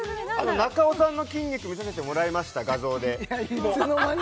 中尾さんの筋肉見させてもらいました画像でいやいつの間に？